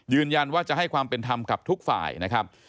ยืนยันว่าจะให้ความเป็นธรรมกับทุกฝ่ายนะครับ